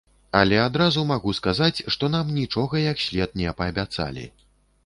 Але адразу магу сказаць, што нам нічога як след не паабяцалі.